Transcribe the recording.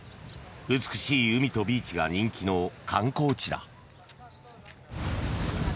美しい海とビーチが人気の観光地だ。